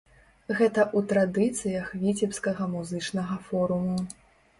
Гэта ў традыцыях віцебскага музычнага форуму.